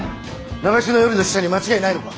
長篠よりの使者に間違いないのか？